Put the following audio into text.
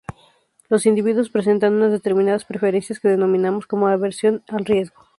Los individuos presentan unas determinadas preferencias, que denominamos como aversión al riesgo.